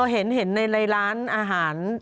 เห็นในร้านอาหาร